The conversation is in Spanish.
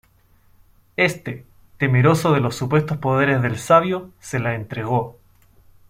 Este, temeroso de los supuestos poderes del sabio, se la entregó.